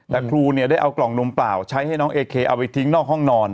แต่ครูเนี่ยได้เอากล่องนมเปล่าใช้ให้น้องเอเคเอาไปทิ้งนอกห้องนอน